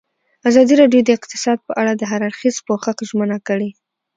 ازادي راډیو د اقتصاد په اړه د هر اړخیز پوښښ ژمنه کړې.